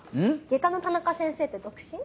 外科の田中先生って独身？